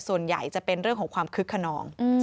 ส่วนใหญ่จะเป็นเรื่องของความคึกขนอง